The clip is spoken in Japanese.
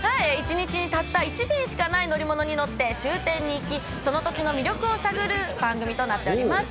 １日にたった１便しかない乗り物に乗って終点に行き、その土地の魅力を探る番組となっております。